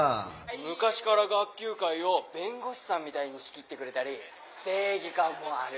昔から学級会を弁護士さんみたいに仕切ってくれたり正義感もある。